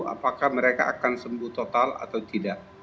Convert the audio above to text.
apakah mereka akan sembuh total atau tidak